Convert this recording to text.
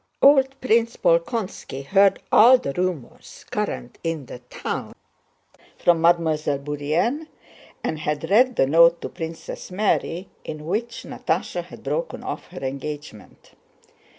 Old Prince Bolkónski heard all the rumors current in the town from Mademoiselle Bourienne and had read the note to Princess Mary in which Natásha had broken off her engagement.